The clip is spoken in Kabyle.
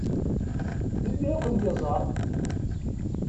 Melmi ad kent-iẓeṛ?